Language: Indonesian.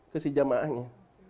ke si jamaahnya